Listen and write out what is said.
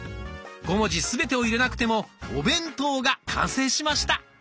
５文字すべてを入れなくても「お弁当」が完成しました。